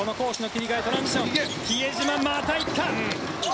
比江島、また行った。